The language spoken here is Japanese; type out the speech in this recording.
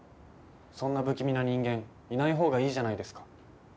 そんな不気味な人間いないほうがいいじゃないですか